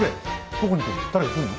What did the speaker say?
どこに来んの？